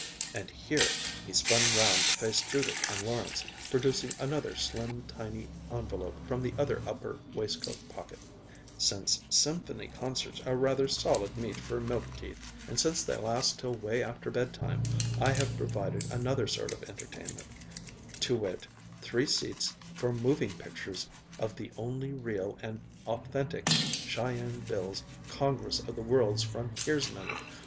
And here," he spun round to face Judith and Lawrence, producing another slim, tiny envelope from the other upper waistcoat pocket, "since symphony concerts are rather solid meat for milk teeth, and since they last till way after bedtime, I have provided another sort of entertainment; to wit: three seats for moving pictures of the only real and authentic Cheyenne Bill's Congress of the World's Frontiersmen.